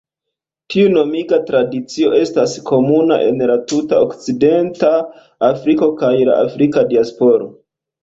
Tiu nomiga tradicio estas komuna en la tuta Okcidenta Afriko kaj la Afrika diasporo.